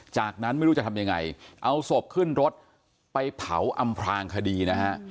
จากนั้นไม่รู้จะทำยังไงเอาศพขึ้นรถไปเผาอำพลางคดีนะฮะ